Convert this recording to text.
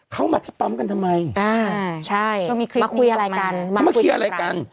เข้ามาทัดปั๊มกันทำไมมาเคลียร์อะไรกัน